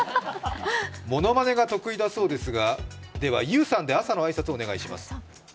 ものまねが得意だそうですが、ＹＯＵさんで朝の挨拶をお願いします。